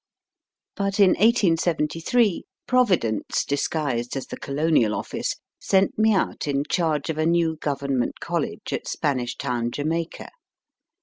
But in 1873, Providence, disguised as the Colonial Office, sent me out in charge of a new Government College at Spanish Town, Jamaica.